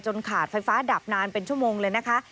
ขาดไฟฟ้าดับนานเป็นชั่วโมงเลยนะคะ